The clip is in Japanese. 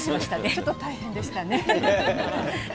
ちょっと大変でしたね。